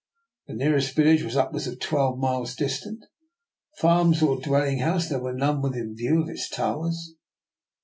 The nearest village was upwards of twelve miles distant; farms or dwelling houses there were none within view of its towers.